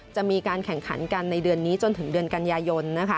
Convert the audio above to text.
จะมีการแข่งขันกันในเดือนนี้จนถึงเดือนกันยายน